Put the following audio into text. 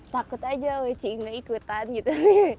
takut aja si inge ikutan gitu